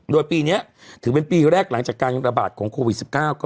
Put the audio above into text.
โดยปีเนี้ยถึงเป็นปีแรกหลังจากการโควิด๑๙